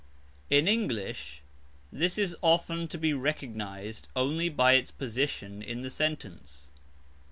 In English this is often to be recognised only by its position in the sentence.